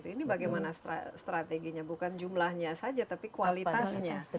ini bagaimana strateginya bukan jumlahnya saja tapi kualitasnya